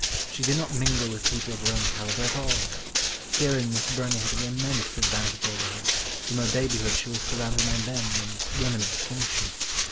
She did not mingle with people of her own calibre at all. Herein Miss Burney had an immense advantage over her, from her babyhood she was surrounded by men and women of distinction.